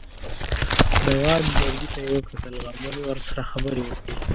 د غاړې لرګي ته یې کتل: غرمه مې ورسره خبرې وکړې.